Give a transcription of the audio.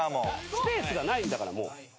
スペースがないんだから。